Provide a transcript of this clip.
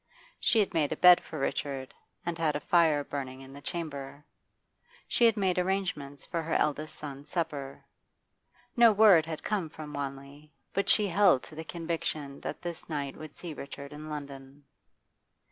She had made a bed for Richard, and had a fire burning in the chamber. She had made arrangements for her eldest son's supper. No word had come from Wanley, but she held to the conviction that this night would see Richard in London.